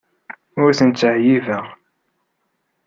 Ur tent-ttɛeyyibeɣ.